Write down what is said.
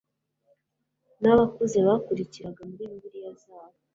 n abakuze bakurikiraga muri bibiliya zabo